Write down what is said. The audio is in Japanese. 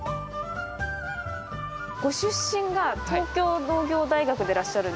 ご出身が東京農業大学でらっしゃる。